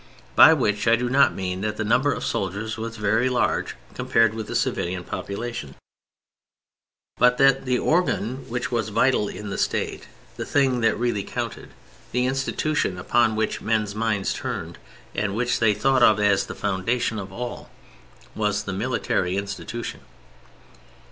By which I do not mean that the number of soldiers was very large compared with the civilian population, but that the organ which was vital in the State, the thing that really counted, the institution upon which men's minds turned, and which they thought of as the foundation of all, was the military institution.